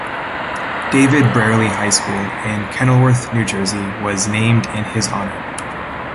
David Brearley High School in Kenilworth, New Jersey, was named in his honor.